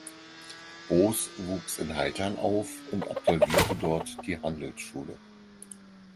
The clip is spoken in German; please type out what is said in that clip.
Bos wuchs in Haltern auf und absolvierte dort die Handelsschule.